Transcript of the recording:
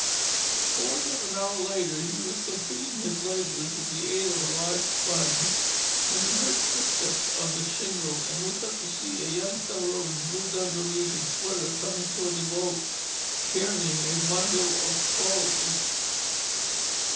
Quarter of an hour later he was completing his labors with the aid of a large sponge when he heard footsteps on the shingle and looked up to see a young fellow in blue dungarees and sweater coming toward the boat, carrying a bundle of clothes.